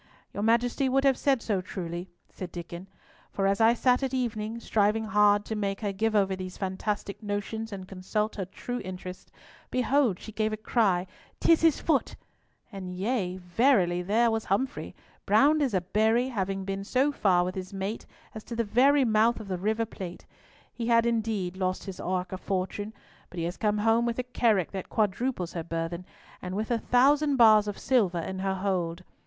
"Your Majesty would have said so truly," said Diccon; "for as I sat at evening, striving hard to make her give over these fantastic notions and consult her true interest, behold she gave a cry—''Tis his foot!' Yea, and verily there was Humfrey, brown as a berry, having been so far with his mate as to the very mouth of the River Plate. He had, indeed, lost his Ark of Fortune, but he has come home with a carrack that quadruples her burthen, and with a thousand bars of silver in her hold.